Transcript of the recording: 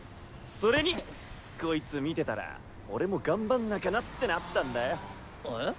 それにコイツ見てたら俺も頑張んなきゃなってなったんだよ。え？